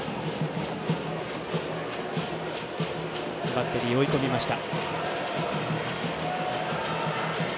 バッテリー追い込みました。